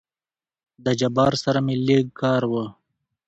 د جبار سره مې لېږ کار وو.